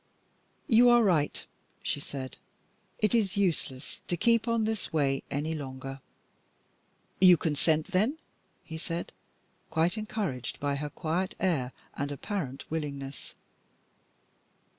"You are right," she said. "It is useless to keep on this way any longer." "You consent, then?" said he, quite encouraged by her quiet air and apparent willingness.